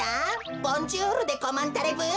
ボンジュールでコマンタレブー。